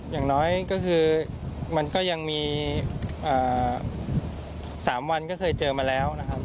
อย่างน้อยก็คือมันก็ยังมี๓วันก็เคยเจอมาแล้วนะครับ